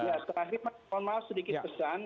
ya terakhir mas konmal sedikit pesan